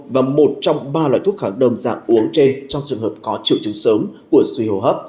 và một trong ba loại thuốc kháng đông dạng uống trên trong trường hợp có triệu chứng sớm của suy hô hấp